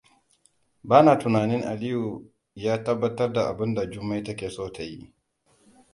Ba na tunanin Aliyu ya tabbatar da abun da Jummai take so ta yi.